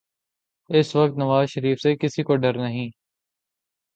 اس وقت نواز شریف سے کسی کو ڈر نہیں۔